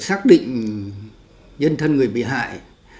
xác định dân thân người bị hại